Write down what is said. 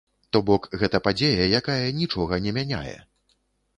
То-бок гэта падзея, якая нічога не мяняе.